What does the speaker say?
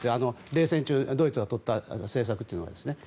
冷戦中ドイツがとった政策というのは。